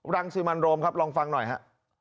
รังสิมันโรมครับลองฟังหน่อยฮะ